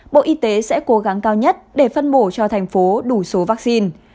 bộ y tế sẽ cố gắng cao nhất để phân bổ cho thành phố đủ số vaccine